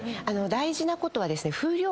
大事なことはですね。